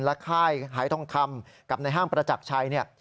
ค่ายหายทองคำกับในห้างประจักรชัยเนี่ย